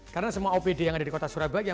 karena semua opd yang ada di kota surabaya